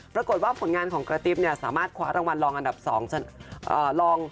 ปรากฏว่าผลงานของกระติ๊บเนี่ยสามารถคว้ารางวัลรองอันดับ๒ลอง